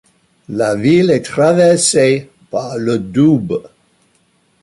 La ville est traversée par le Doubs.